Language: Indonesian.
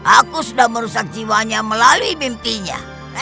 aku sudah merusak jiwanya melalui mimpinya